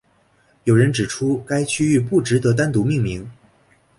有人指出该区域不值得单独命名。